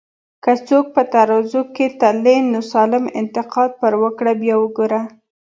که څوک په ترازو کی تلې، نو سالم انتقاد پر وکړه بیا وګوره